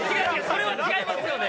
それは違いますよね。